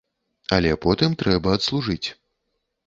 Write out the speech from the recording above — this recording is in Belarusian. Але потым трэба адслужыць.